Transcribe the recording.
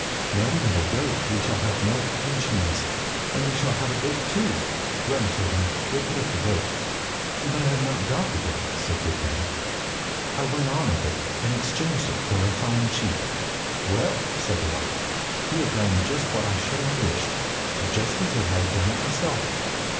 Now we have a goat we shall have milk and cheese, and we shall have the goat too. Run, children, and put up the goat." "But I have not got the goat," said Gudbrand. "I went on a bit, and exchanged it for a fine sheep." "Well," said the wife, "you have done just what I should have wished just as if I had done it myself.